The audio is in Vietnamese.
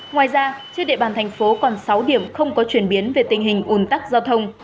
ngoài ra trên địa bàn thành phố còn sáu điểm không có chuyển biến về tình hình ủn tắc giao thông